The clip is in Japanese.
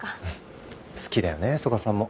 好きだよね曽我さんも。